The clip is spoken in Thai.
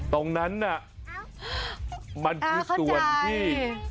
ตรงนั้นน่ะมันคือส่วนที่